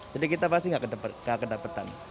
jadi kita pasti tidak kedapatan